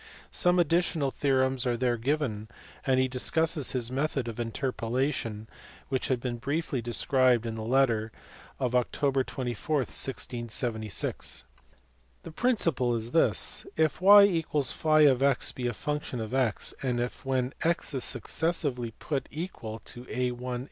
Some additional theorems are there given, and he discusses his method of interpolation, which had been briefly described in the letter of Oct. 24, 1676. The principle is this. If y = (x) be a function of x and if when x is successively put equal to a 1?